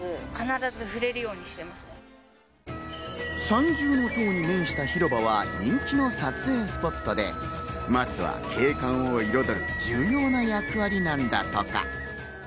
三重塔に面した広場は人気の撮影スポットで、まずは景観を彩る重要な役割なんだとか。